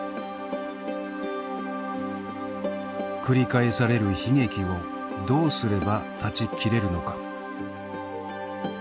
繰り返される悲劇をどうすれば断ち切れるのか。